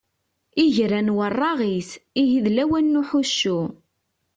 Igran weṛṛaɣit, ihi d lawan n uḥuccu.